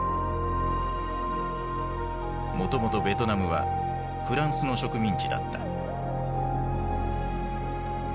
もともとベトナムはフランスの植民地だった。